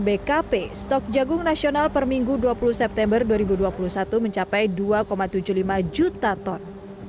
bkp stok jagung nasional per minggu dua puluh september dua ribu dua puluh satu mencapai dua tujuh puluh lima juta ton